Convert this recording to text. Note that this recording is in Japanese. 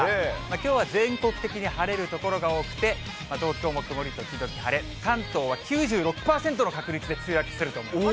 きょうは全国的に晴れる所が多くて、東京も曇り時々晴れ、関東は９６％の確率で梅雨明けすると思います。